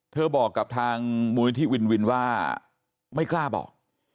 บอกกับทางมูลนิธิวินวินว่าไม่กล้าบอก